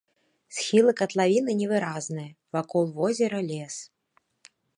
Схілы катлавіны невыразныя, вакол возера лес.